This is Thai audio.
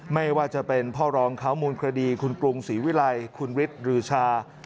ไม่ว่าจะเป็นพ่อรองเขามูลคดีคุณกรุงศรีวิลัยคุณฤทธิ์รือชา